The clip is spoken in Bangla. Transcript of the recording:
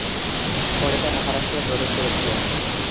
পরে তা মহারাষ্ট্রে প্রবেশ করেছিল।